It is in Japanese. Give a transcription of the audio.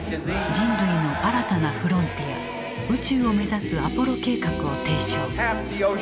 人類の新たなフロンティア宇宙を目指すアポロ計画を提唱。